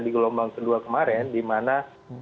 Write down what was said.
di gelombang kedua kemarin dimana